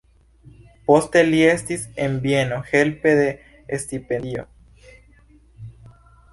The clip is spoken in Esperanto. Poste li estis en Vieno helpe de stipendio.